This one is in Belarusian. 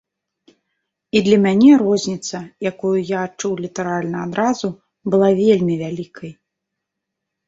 І для мяне розніца, якую я адчуў літаральна адразу, была вельмі вялікай.